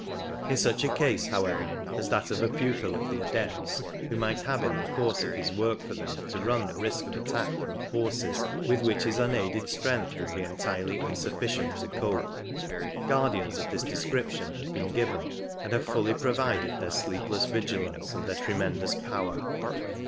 In such a case, however, as that of a pupil of the Adepts, who might have in the course of his work for them to run the risk of attack from forces with which his unaided strength would be entirely insufficient to cope, guardians of this description have been given, and have fully proved their sleepless vigilance and their tremen dous power.